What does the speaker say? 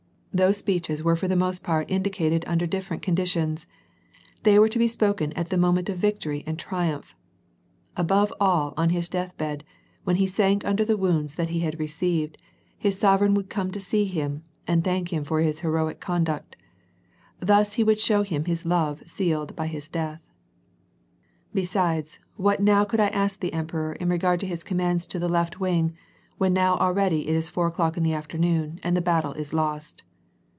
Those speeches were for the most part indicted under different conditions ; they were to be spoken at the moment of victory and triumph ; above all on bis death bed, when as he sank under the wounds that he had received, his sovereign would come to see him, and thank him for his heroic conduct ; thus he would show him his love sealed by his death. '' Besidlf^ wjut now could I ask the emperor in regard to his commands to the left wing when now already it is four o'clock in the afternoon, and the battle is lost.